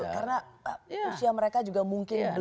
karena usia mereka juga mungkin belum terbiasa